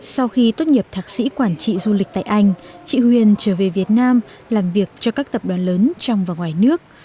sau khi tốt nghiệp thạc sĩ quản trị du lịch tại anh chị huyền trở về việt nam làm việc cho các tập đoàn lớn trong và ngoài nước